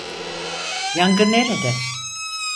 Yangın nerede?